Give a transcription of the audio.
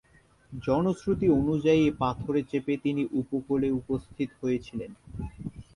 জনশ্রুতি অনুযায়ী এই পাথরে চেপে তিনি উপকূলে উপস্থিত হয়েছিলেন।